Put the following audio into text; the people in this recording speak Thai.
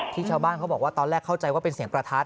ชาวบ้านเขาบอกว่าตอนแรกเข้าใจว่าเป็นเสียงประทัด